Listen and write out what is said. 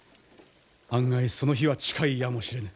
案外その日は近いやもしれぬ。